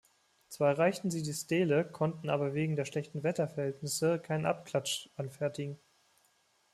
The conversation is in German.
Zwar erreichten sie die Stele, konnten aber wegen der schlechten Wetterverhältnisse keinen Abklatsch anfertigen.